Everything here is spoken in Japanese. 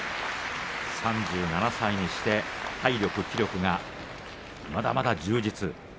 ３７歳にして、体力、気力がまだまだ充実。